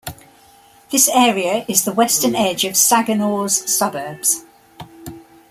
This area is the western edge of Saginaw's suburbs.